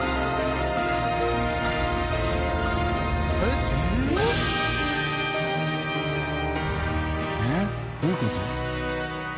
えっどういう事？